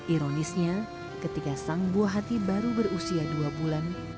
ironisnya ketika sang buah hati baru berusia dua bulan